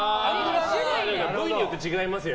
部位によって違いますよ。